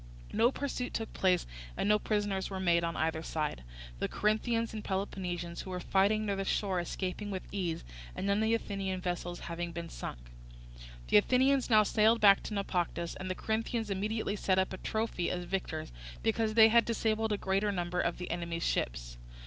No pursuit took place, and no prisoners were made on either side; the Corinthians and Peloponnesians who were fighting near the shore escaping with ease, and none of the Athenian vessels having been sunk. The Athenians now sailed back to Naupactus, and the Corinthians immediately set up a trophy as victors, because they had disabled a greater number of the enemy's ships.